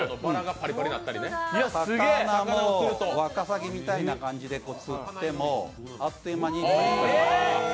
魚もワカサギみたいな感じで釣ってもあっという間に凍る。